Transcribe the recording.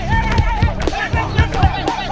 tarik tarik tarik